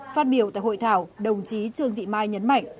phát biểu tại hội thảo đồng chí trương thị mai nhấn mạnh